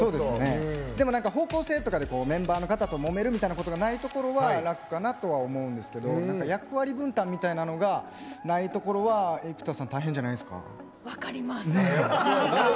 でも、方向性とかでもメンバーの方ともめるみたいなことがないのは楽かなとは思うんですけど役割分担みたいなのがないところは分かります！